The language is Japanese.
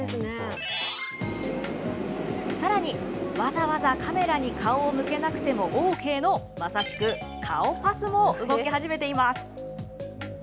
さらに、わざわざカメラに顔を向けなくてもＯＫの、まさしく顔パスも動き始めています。